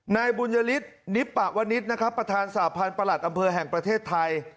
นายบุญยฤทธินิปปะวนิษฐ์นะครับประธานสาพันธ์ประหลัดอำเภอแห่งประเทศไทย